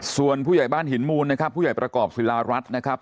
ส่วนผู้ใหญ่บ้านหินมูลนะครับผู้ใหญ่ประกอบศิลารัฐนะครับ